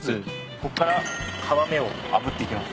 こっから皮目をあぶっていきます。